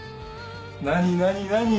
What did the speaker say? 何何何？